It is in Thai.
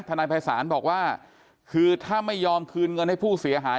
นายภัยศาลบอกว่าคือถ้าไม่ยอมคืนเงินให้ผู้เสียหาย